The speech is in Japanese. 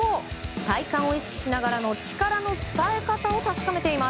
体幹を意識しながらの力の伝え方を確かめています。